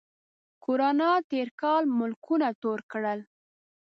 کرونا تېر کال ملکونه تور کړل